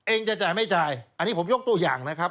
จะจ่ายไม่จ่ายอันนี้ผมยกตัวอย่างนะครับ